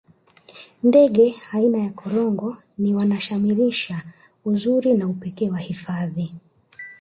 ndege aina ya korongo ni wanashamirisha uzuri na upekee wa hifadhi